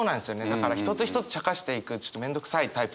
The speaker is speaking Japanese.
だから一つ一つちゃかしていくちょっと面倒くさいタイプなんで。